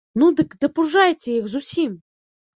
Ну, дык дапужайце іх зусім!